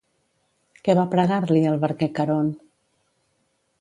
Què va pregar-li al barquer Caront?